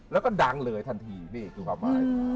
แล้วก็ดังเลยทันทีนี่คือความหมาย